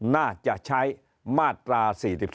น่าจะใช้มาตรา๔๔